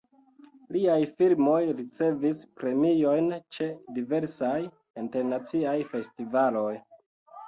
Liaj filmoj ricevis premiojn ĉe diversaj internaciaj festivaloj.